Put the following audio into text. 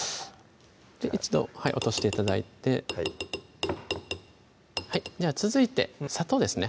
一度落として頂いてはいはいでは続いて砂糖ですね